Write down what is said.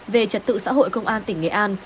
về trật tự xã hội công an tỉnh nghệ an